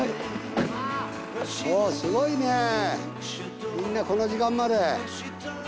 すごいね。